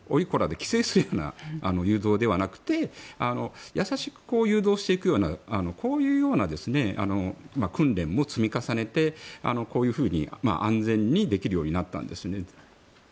で規制するような誘導ではなくて優しく誘導していくようなこういうような訓練も積み重ねてこういうふうに安全にできるようになったんです。